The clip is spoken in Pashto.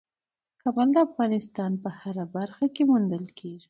کابل د افغانستان په هره برخه کې موندل کېږي.